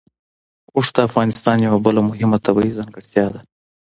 اوښ د افغانستان یوه بله مهمه طبیعي ځانګړتیا ده.